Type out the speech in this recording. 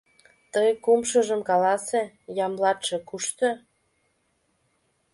Тый кумшыжым каласе: Ямблатше кушто?